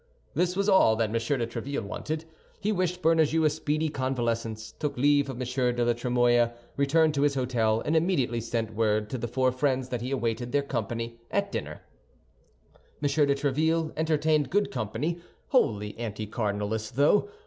This was all that M. de Tréville wanted. He wished Bernajoux a speedy convalescence, took leave of M. de la Trémouille, returned to his hôtel, and immediately sent word to the four friends that he awaited their company at dinner. M. de Tréville entertained good company, wholly anticardinalist, though.